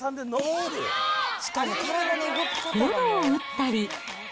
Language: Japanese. ゴロを打ったり。